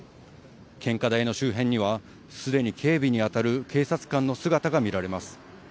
献花台の周辺には、すでに警備に当たる警察官の姿が見られます。